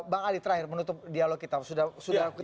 bang ali terakhir menutup dialog kita sudah kita ketemu